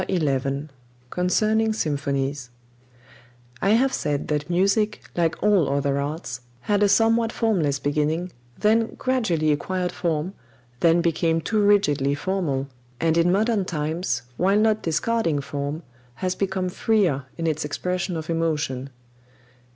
XI CONCERNING SYMPHONIES I have said that music, like all other arts, had a somewhat formless beginning, then gradually acquired form, then became too rigidly formal, and in modern times, while not discarding form, has become freer in its expression of emotion.